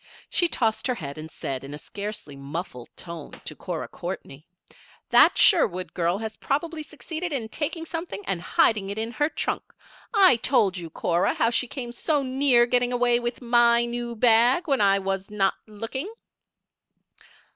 She tossed her head and said, in scarcely a muffled tone, to Cora Courtney: "That Sherwood girl has probably succeeded in taking something and hiding it in her trunk. I told you, Cora, how she came so near getting away with my new bag when I was not looking."